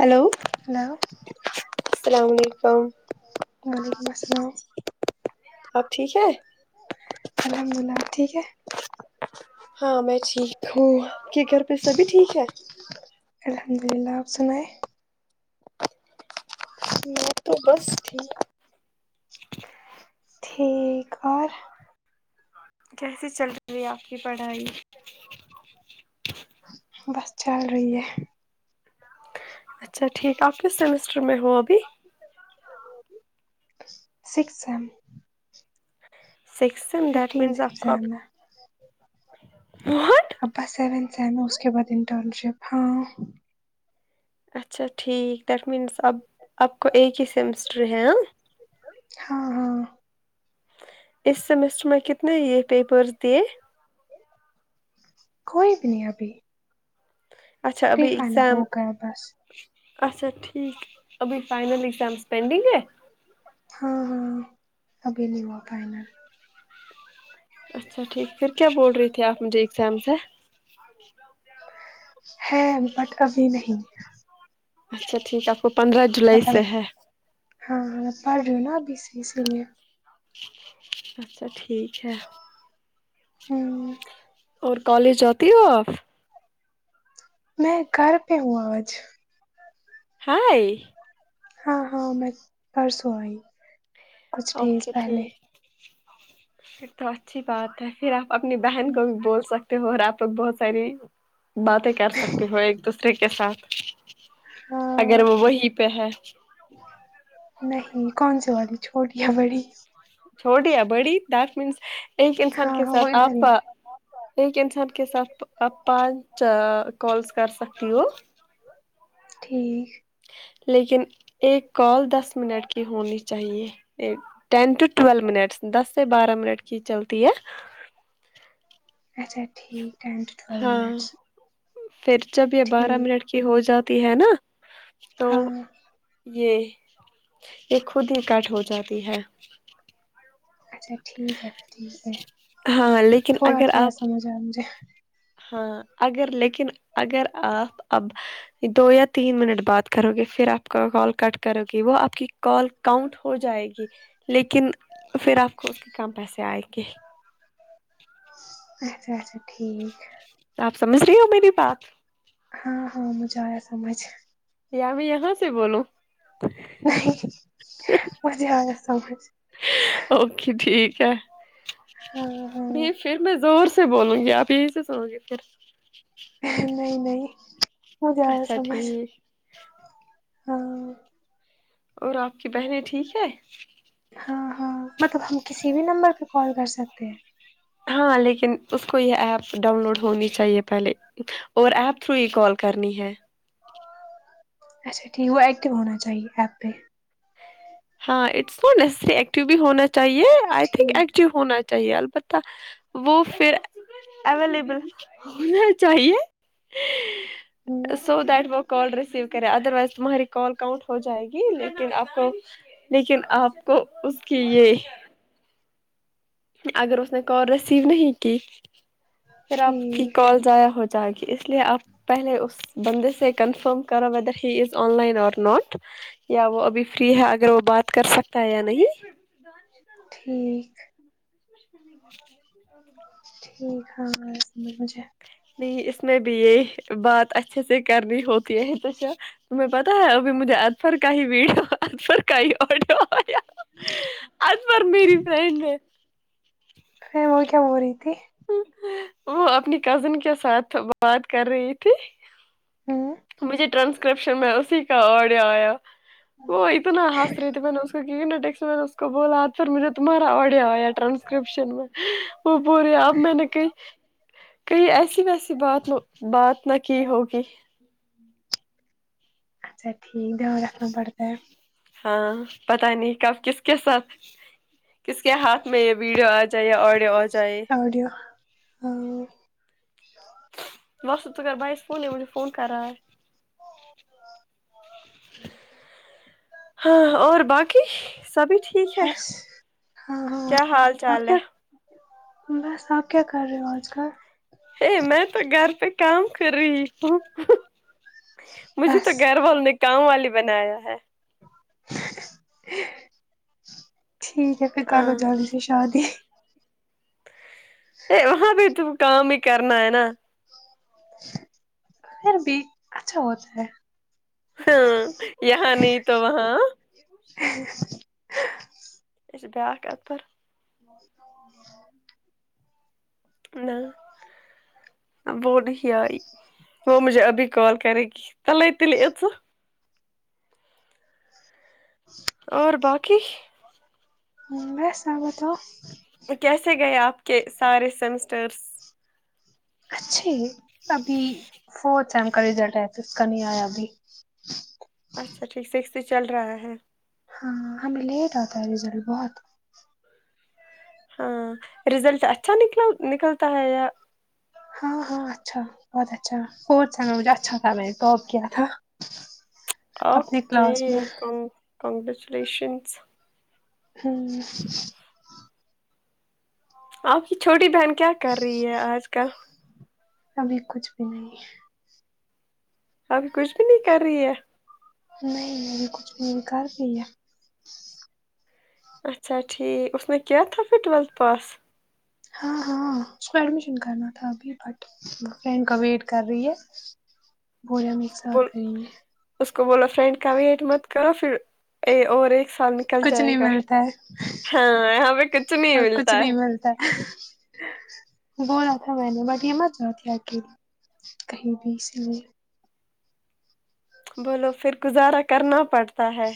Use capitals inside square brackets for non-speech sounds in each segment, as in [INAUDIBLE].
Hello hello السلام علیکم وعلیکم السلام اب ٹھیک ہے الحمد للہ اپ ٹھیک ہے ہاں میں ٹھیک ہوں آپ کہ گھر پہ سبھی ٹھیک ہے الحمد للہ اپ سنیے یہ تو بس ٹھیک ٹھیک اور کیسے چل رہی آپ کی پڑھائی بس چل رہی ہے اچھا ٹھیک آپ کس سمسٹر میں ہو ابھی six M six M that fifteen means سے آپکو اب ایگزام ہے وہت ابا بس سیون سین اس کے بعد انٹرن شپ ہاں اچھا ٹھیک دیٹ مینس اب آپ کو ایک ہی سیمسٹر ہے ہاں ہاں ہاں اس سیمسٹر میں کتنے یہ پیپرز دیے کوئی بھی نہیں ابھی اچھا پری ابھی فائنل ایگزام ہو گیا بس اچھا ٹھیک ابھی فائنل ایگزامز پینڈنگ ہے ہاں ہاں ابھی نہیں ہوا فائنل اچھا ٹھیک پھر کیا بول رہی تھی آپ مجھے اگزام سے ہے بٹ ابھی نہیں اچھا ٹھیک آپ کو پندرہ جولائی سے مطلب ہے ہاں ہاں پڑھ رہی ہوں نا ابھی اسلیے اچھا ٹھیک ہے ہوں اور کالج جاتی ہو آپ میں گھر پہ ہوں آج ہائے ہاں ہاں میں پرسوں آئی کچھ ڈیز پہلے یہ تو اچھی بات ہے پھر آپ اپنی بہن کو بھی بول سک تے ہو اور آپ لوگ بہت ساری باتیں کر سکتے ہو ایک دوسرے کے ساتھ ہاں اگر وہ وہی پہ ہے نہیں کون سی والی چھوٹی یا بڑی چھوٹی یا بڑی دیٹ مینس ایک انسان ہاں کے ہاں وہ ساتھ ادھر آپ ہی ایک انسان کے ساتھ آپ پانچ کالز کر سکتی ہو ٹھیک لیکن ایک کال دس منٹ کی ہونی چاہیے ٹین ٹو ٹوئل منٹس دس سے بارہ منٹ کی چلتی ہے اچھا ٹھیک ٹین ٹو ٹویل ہاں منٹس پھر جب یہ بارہ ٹھیک منٹ کی ہو جاتی ہے نا تو ہاں یہ یہ خود ہی کٹ ہو جاتی ہے اچھا ٹھیک ہے پھر ٹھیک ہے ہاں لیکن تھوڑا اگر تھوڑا آپ سمجھ آیا مجھے ہاں اگر لیکن اگر آپ اب دو یا تین منٹ بات کرو گے پھر آپ کا کال کٹ کرو گی وہ آپ کی کال کاؤنٹ ہو جائے گی لیکن پھر آپ کو کم پیسے آئیں گے اچھا اچھا ٹھیک آپ سمجھ رہی ہو میری بات ہاں ہاں مجھے آیا سمجھ یا میں یہاں سے بولوں نہیں مجھے آیا سمجھ اوکے ٹھیک ہے ہاں ہاں نہیں پھر میں زور سے بولوں گی آپ یہیں سے سنو گے پھر نہیں نہیں مجھے آیا اچھا سمجھ ٹھیک ہاں اور آپ کی بہنیں ٹھیک ہیں ہاں ہاں مطلب ہم کسی بھی نمبر پہ کال کر سکتے ہیں ہاں لیکن اس کو یہ ایپ ڈاؤن لوڈ ہونی چاہیے پہلے اور ایپ تھرو ہی کال کرنی ہے اچھا ٹھیک وہ ایٹو ہونا چاہیے ایپ پہ ہاں اٹس نٹ نیسیسری ایکٹو بھی ہونا چاہیے آئی تھنک ٹھیک ایکٹو ہونا چاہیے البتہ وہ پھر اویلیبل ہونا چاہیے ہ سو دیٹ وک کال ریسیو کریں ادر وائز تمہاری کال کاؤنٹ ہو جائے گی لیکن آپ کو لیکن آپ کو اس کی یہ اگر اس نے کال ریسیو نہیں کی پھر آپ کی ٹھیک کال ضائع ہو جائے گی اس لیے آپ پہلے اس بندے سے کنفرم کرا whether he is online اور ناٹ یا وہ ابھی فری ہے اگر وہ بات کر سکتا ہے یا نہیں ٹھیک ٹھیک ہاں سمجھ مجھے نہیں اس میں بھی یہ بات اچھے سے کرنی ہوتی ہے توا تمہیں پتا ہے ابھی مجھے اطہار کا ہی ویڈیو اطہار کا ہی آڈیو آگیا اجبار میری فرینڈ ہے پھر وہ کیا ہو رہی تھی وہ اپنی کزن کے ساتھ بات کر رہی تھی ہوں مجھے ٹرانسکرپشن میں اسی کا آڈیو وہ ہے اتنا ہنس رہی تھی میں نے اس کو کیکہ یکسٹ میں نے اس کو بولا پ مجھ تمہارا آڈ آیا رانسکرپشن میں وہ پور آپ مئی نئی ک کہئی ایسی ویسی بات بات نہ کی ہوگی اچھا ٹھیک رکھنا پڑتا ہے ہاں پتا نہیں کب کس کے ساتھ کس کے ہاتھ میں یہ ویڈیو آج چاہیے آڈی آڈیو بسط تو کر بیاس فون منے فون کرار ہے ہاں اور باقی سبھی ٹھیک ہے بس ہاں ہاں کیا حال آپ چال ہے کیا بس آپ کیا کر رہے ہو آج کل ہی میں تو گھر پہ کام کر رہی ہوں مجھے تو بس گھر والوں نے کام والی بنایا ہے ٹھیک ہے پھر کرلو ہاں جلدی سے شادی ا وہاں بھی تو کام ہی کرنا ہے نا پھر بھی اچھا ہوتا ہے ہاں یہاں نہیں تو وہاں اسے بارک اپ پر نہ وہ نہیں آئی وہ مجھے ابھی کال کر گی [UNINTELLIGIBLE] تل تللی ا سے اور باقی مزس ایا تھا کیسے گئے آپ کے سارے سیمسٹرس اچھے ابھی فورتھ سیم کا رزلٹ آیا تو اس کا نہیں آیا ابھی اچھا ٹھیک سکسٹی چل رہا ہے ہاں ہمیں لیٹ آتا ہے رزلٹ بہت ہاں رزلٹ اچھا نکل نکلتا ہے یا ہاں ہاں اچھا بہت اچھا [UNINTELLIGIBLE] مجھے اچھا تھا میں نے ٹاپ کیا تھا اپنے اوکے کلاس میں کن کنگریچولیشنس ہوں آپ کی چھوٹی بہن کیا کر رہی ہے آج کل ابھی کچھ بھی نہیں ابھی کچھ بھی نہیں کر رہی ہے نہیں نہیں کچھ بھی کر دی ہے اچھا ٹھیک اس نے کیا تھا پھر ٹویلتھ پاس ہاں ہاں اس کو ایڈمیشن کرنا تھا ابھی بٹ فرینڈ کا ویٹ کر رہی ہے بول ہم ایک ساتھ بول کر رہی ہے اس کو بولو فرینڈ کا ویٹ مت کرو پھر ا اور ایک سال نکل کچھ جائے نہیں گا ملتا ہے ہاں یہاں پہ کچھ نہیں اور کچھ ملتا ہے نہیں ملتا بولا تھا میں نے بٹ یہ مت چ تھی اکیلی کہیں بھی اسلیے بولو پھر گزارا کرنا پڑتا ہے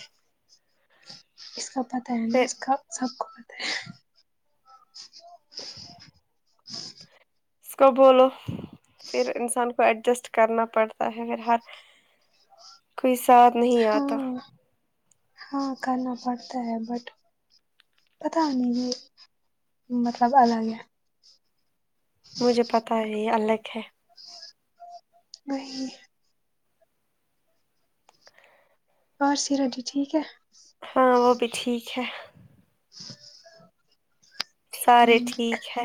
اس کا پتہ ہے نا پھر اس کا سب کو پتہ ہے اس کو بولو پھر انسان کو ایڈجسٹ کرنا پڑتا ہے پھر ہر کوئی ساتھ نہیں آتا ہاں ہاں کرنا پڑتا ہے بٹ پتا نہیں یہ مطلب الگ ہے مجھے پتا ہے یہ الگ ہے نہیں پارسی ریڈی ٹھیک ہے ہاں وہ بھی ٹھیک ہے [INAUDIBLE] سارے ٹھیک ہے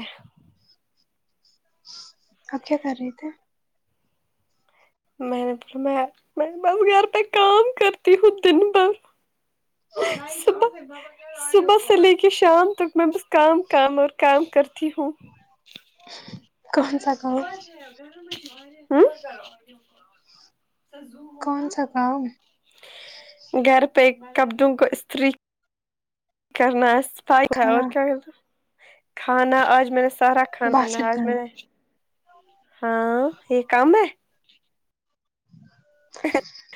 آپ کیا کر رہے تھے میں نے اب میں میں بس گھر پہ کام کرتی ہوں دن بھر صبح صبح سے لے کے شام تک میں بس کام کام اور کام کرتی ہوں کون سا گاؤں ہوں کون سا کام ہے گھر پہ کبڈوں کو استری کرنا صفائی ہے اور کھانا کیا کرتی کھانا آج میں نے سارا کھانا بس بنایا آج اتنا میں ہی نے ہاں یہ کم ہے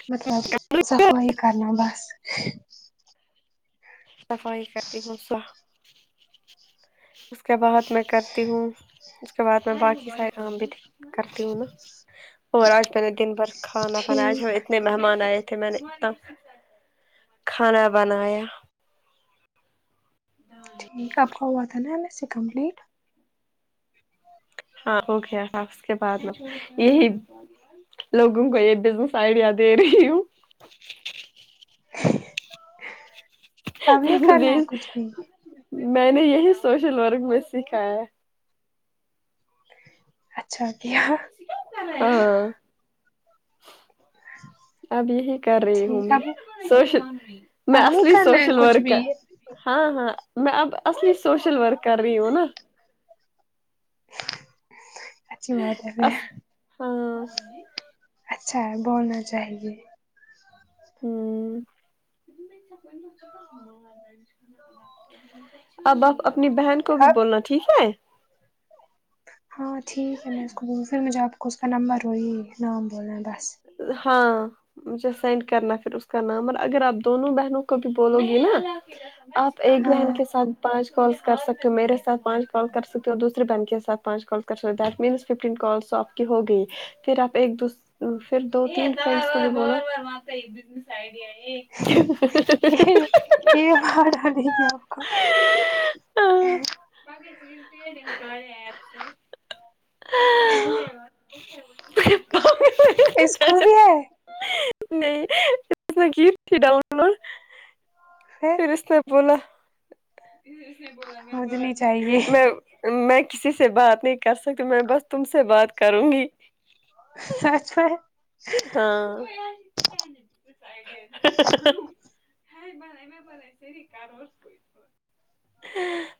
مطلب صفائی کرنا بس صفائی کرتی ہوں سو اس کے بعد میں کرتی ہوں اس کے بعد میں باقی سارے کام بھی کرتی ہوں نا اور آج میں نے دن بھر کھانا بنایا آج ٹھیک اتنے مہمان آئے تھے میں نے نا تب کھانا بنایا ٹھیک ہے آپ کا ہوا تھا نا اس سے کمپلیٹ ہاں ہو گیا اس کے بعد میں یہی لوگوں کو یہ بزنس آئیڈیا دے رہی ہوں کم نہیں کرنا ہے ہوں کچھ بھی میں نے یہی سوشل ورک میں سکھایا ہے اچھا کیا ہاں اب یہی کر رہی ہوں ٹھیک میں اب سوشل میں اب نہیں اصلی کرنا ہے سوشل کچھ بھی ورکر ہاں ہاں میں اب اصلی سوشل ورک کر رہی ہوں نا اچھی بات ہے پھر اس ہاں اچھا ہے بولنا چاہیے ہوں اب آپ اپنی بہن کو بھی اب بولنا ٹھیک ہے ہاں ٹھیک ہے میں اس کو بول پھر مجھے آپ کو اس کا نمبر روئی نام بول رہے بس ہاں مجھے سینڈ کرنا پھر اس کا نام اور اگر آپ دونوں بہنوں کو بھی بولو گی نا آپ ایک ہاں بہن کے ساتھ پانچ کالس کر سکتے ہو میرے ساتھ پانچ کال کر سکتے ہو دوسری بہن کے ساتھ پانچ کال کر سکتے ہو دیٹ مینس ففٹین کالس س کے ہو گئی پھر آپ ایک دوس پھر دو تین بہت بو ایک بزنس آئیڈ ہے یہ مار ڈالے گی آپ کو این آ ارے باپ رے اس کو بھی ہے نہیں نہیں کی تھی ڈاؤن لوڈ پھر اس نے بولا میں مجھے نہیں چاہیے میں کسی سے بات نہیں کر سکتی میں بس تم سے بات کروں گی سچ کہہ ہاں ہا۔ ہا۔ ہا۔ ہا۔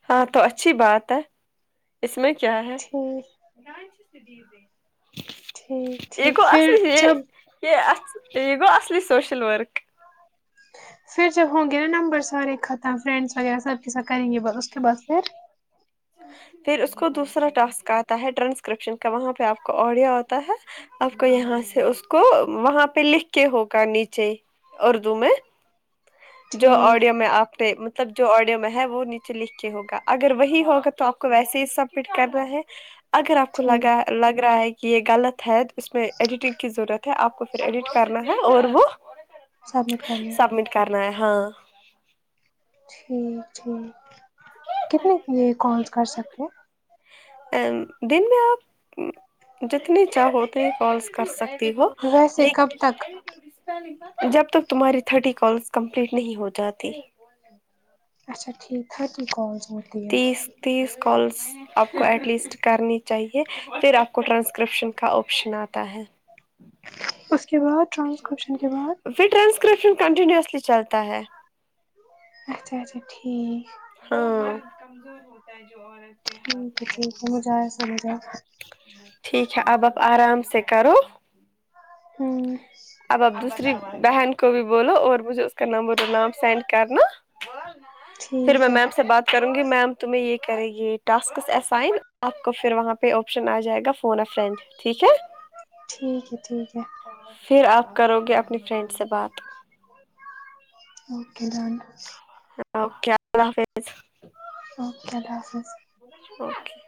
ہاں تو اچھی بات ہے اس میں کیا ہے ٹھیک ٹھیک یہ کو ٹھیک پھر اصلی ہے جب یہ ا یہ گو اصلی سوشل ورک پھر جب ہوں گے نا نمبر سارے ختم فرینڈس وغیرہ سب کے سب کریں گے بس اس کے بعد پھر پھر اس کو دوسرا ٹاسک آتا ہے ٹرانسکرپشن کا وہاں پہ آپ کو آڈیو آتا ہے آپ کو یہاں سے اس کو وہاں پہ لکھ کے ہوگا نیچے اردو میں جو آڈیو ٹھیک میں آپتے مطلب جو آڈیو میں ہے وہ نیچے لکھ کے ہوگا اگر وہی ہوگا تو آپ کو ویسے ہی سبمٹ کرنا ہے اگر آپ کو ٹھیک لگا لگ رہا ہے کہ یہ غلط ہے اس میں ایڈیٹنگ کی ضرورت ہے آپ کو پھر ایڈٹ کرنا ہے اور وہ [INAUDIBLE] سبمٹ کرنا یہ ہاں ٹھیک ہے کتنے یہ کالس کر سکتے ہیں دن میں آپ جتنی چاہو اتنی کالس کر سک تے ہو ویسے کب لیکن تک جب تک تمہاری تھرٹی کالس کمپلیٹ نہیں ہو جاتی اچھا ٹھیک ٹھرتی کالس ہوتی ہے تیس تیس کالس آپ کو ایٹ لیسٹ کرنی چاہیے پھر آپ کو ٹرانسکرپشن کا آپشن آتا ہے اس کے بعد ٹرانسکرپشن کے بعد پھر ٹرانسکرپشن کنٹینیوسلی چلتا ہے اچھا اچھا ٹھیک ہاں ٹھیک ہے جی سمجھ آیا سمجھا ٹھیک ہے اب آپ آرام سے کرو ہوں اب آپ دوسری بہن کو بھی بولو اور مجھے اس کا نمبر نام سینڈ کرنا پھر میں ٹھیک ہے میم سے بات کروں گی میم تمہیں یہ کری گی ٹاسکس اسائن آپ کو پھر وہاں پہ آپشن آ جائے گا فون آ فرینڈ ٹھیک ہے ٹھیک ہے ٹھیک ہے پھر آپ کرو گے اپنی فرینڈ سے بات اوکے ڈن اوکے اللہ حافظ اوکے اللہ حافظ اوکے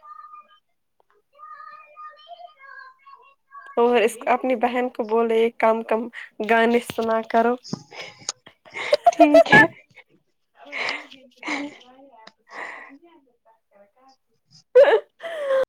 اور اس اپنی بہن کو بولے یہ کام کم گانے سنا کرو ہی۔ ہی ٹھیک ہے [INAUDIBLE] [UNINTELLIGIBLE]